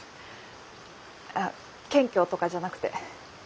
あ謙虚とかじゃなくて。